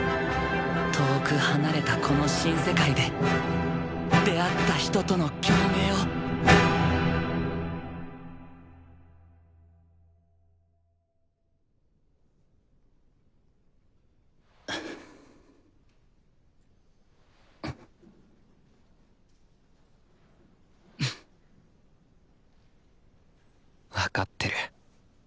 遠く離れたこの新世界で出会った人との共鳴を分かってる。